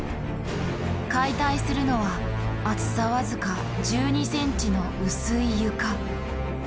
解体するのは厚さ僅か１２ｃｍの薄い床。